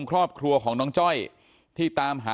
ครอบครัวของน้องจ้อยที่ตามหา